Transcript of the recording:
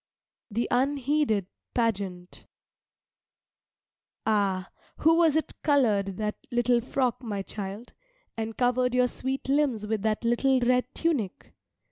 THE UNHEEDED PAGEANT Ah, who was it coloured that little frock, my child, and covered your sweet limbs with that little red tunic?